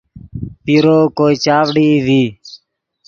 پیرو کوئے چاڤڑئی ڤی